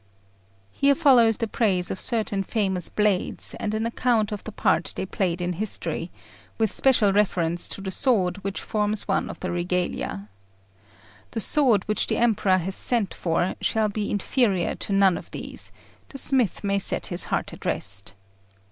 Here follows the praise of certain famous blades, and an account of the part they played in history, with special reference to the sword which forms one of the regalia. The sword which the Emperor has sent for shall be inferior to none of these; the smith may set his heart at rest.